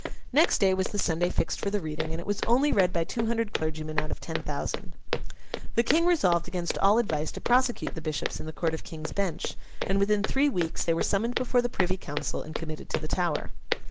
Next day was the Sunday fixed for the reading, and it was only read by two hundred clergymen out of ten thousand. The King resolved against all advice to prosecute the bishops in the Court of King's Bench, and within three weeks they were summoned before the Privy Council, and committed to the Tower.